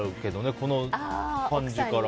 この感じから。